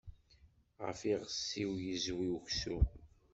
Ɣef iɣes-iw yezwi uksum.